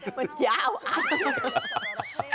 มันยาวอ่ะ